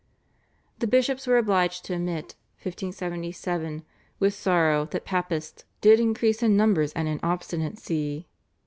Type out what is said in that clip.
The bishops were obliged to admit (1577) with sorrow that papists "did increase in numbers and in obstinacy."